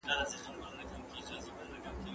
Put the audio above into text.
موږ باید پوه سو چې ولې اختلاف راځي.